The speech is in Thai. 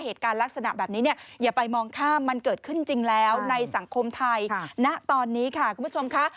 เหตุการณ์ลักษณะแบบนี้เนี่ยอย่าไปมองข้ามมันเกิดขึ้นจริงแล้วในสังคมไทยณตอนนี้ค่ะคุณผู้ชมค่ะ